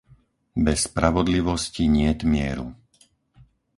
Bez spravodlivosti niet mieru.